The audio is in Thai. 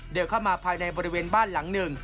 เข้ามาภายในบริเวณบ้านหลังหนึ่ง